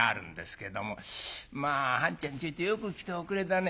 「まあ半ちゃんちょいとよく来ておくれだね。